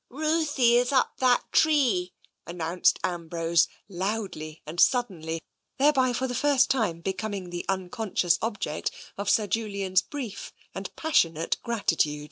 " Ruthie is up that tree," announced Ambrose loudly and suddenly, thereby for the first time becom ing the unconscious object of Sir Julian's brief and passionate gratitude.